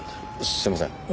すいません